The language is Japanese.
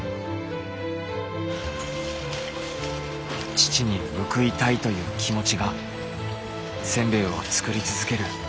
父に報いたいという気持ちがせんべいを作り続ける